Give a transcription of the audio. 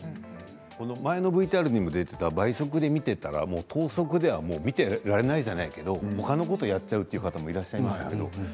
前のＶＴＲにも出ていた倍速で見てから等速では見ていられないじゃないけど他のことをやっちゃうという方もいらっしゃいましたね。